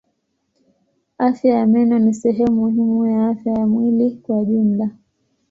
Afya ya meno ni sehemu muhimu ya afya ya mwili kwa jumla.